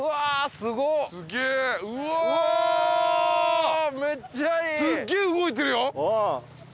すっげえ動いてるよ。